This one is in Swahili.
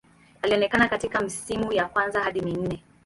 Alionekana katika misimu ya kwanza hadi minne.